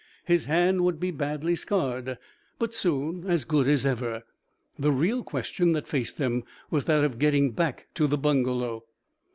His hand would be badly scarred, but soon as good as ever. The real question that faced them was that of getting back to the bungalow.